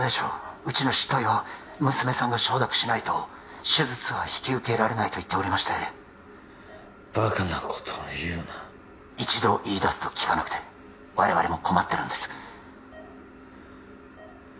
うちの執刀医は娘さんが承諾しないと手術は引き受けられないと言っておりましてバカなことを言うな一度言いだすと聞かなくて我々も困ってるんです